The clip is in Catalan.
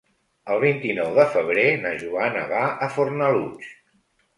El vint-i-nou de febrer na Joana va a Fornalutx.